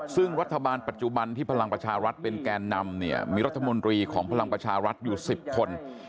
ซึ่งรัฐบาลปัจจุบันที่พลังประชารัฐเป็นแกนนำเนี่ยมีรัฐมนตรีของพลังประชารัฐอยู่๑๐คน